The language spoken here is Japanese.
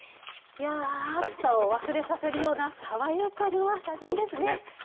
暑さを忘れさせるような爽やかな写真ですね。